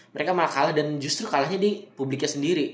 mereka malah kalah dan justru kalahnya di publiknya sendiri